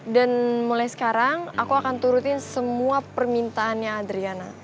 dan mulai sekarang aku akan turutin semua permintaannya adriana